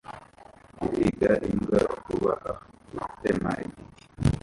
Guhiga imbwa vuba aha gutema igiti